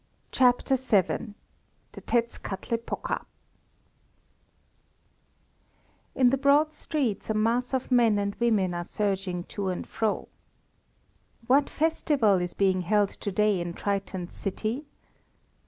CHAPTER VII THE TETZKATLEPOKA In the broad streets a mass of men and women are surging to and fro. What festival is being held to day in Triton's city?